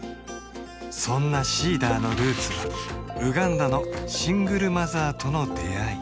そんなＳｅｅｄｅｒのルーツはウガンダのシングルマザーとの出会い